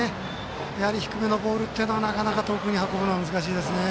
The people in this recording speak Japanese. やはり低めのボールというのはなかなか遠くに運ぶのは難しいです。